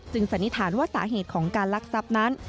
จึงสันนิษฐานว่าสาเหตุของการลักษับนั้น